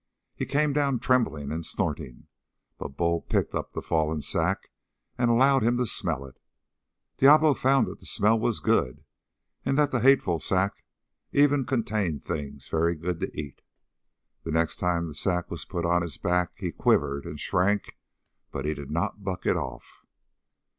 He came down trembling and snorting, but Bull picked up the fallen sack and allowed him to smell it. Diablo found that the smell was good and that the hateful sack even contained things very good to eat. The next time the sack was put on his back he quivered and shrank, but he did not buck it off.